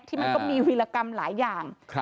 มันก็มีวิรกรรมหลายอย่าง